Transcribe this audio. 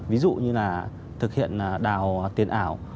ví dụ như là thực hiện đào tiền ảo